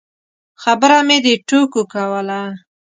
خبره مې د ټوکو کوله.